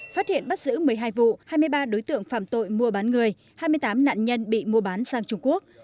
phát hiện bắt giữ một mươi hai vụ hai mươi ba đối tượng phạm tội mua bán người hai mươi tám nạn nhân bị mua bán sang trung quốc